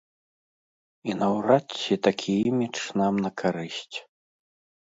І наўрад ці такі імідж нам на карысць.